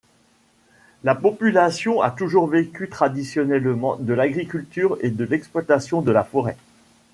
La population a toujours vécu traditionnellement de l’agriculture et de l’exploitations de la forêt.